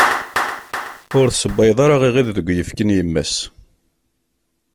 Ur tessewwayeḍ ara iɣid deg uyefki n yemma-s.